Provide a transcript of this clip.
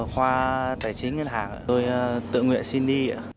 khoa tài chính ngân hàng tôi tự nguyện xin đi